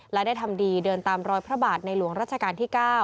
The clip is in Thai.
และได้ทำดีเดินตามรอยพระบาทในหลวงรัชกาลที่๙